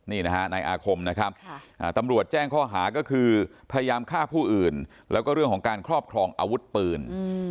นี่นะฮะนายอาคมนะครับตำรวจแจ้งข้อหาก็คือพยายามฆ่าผู้อื่นแล้วก็เรื่องของการครอบครองอาวุธปืน